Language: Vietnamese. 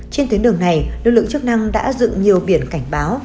trên tuyến đường này lực lượng chức năng đã dựng nhiều biển cảnh báo